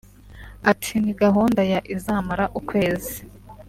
Ati “Ni gahunda ya izamara ukwezi